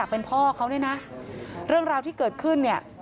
เป็นพ่อเขาเนี่ยนะเรื่องราวที่เกิดขึ้นเนี่ย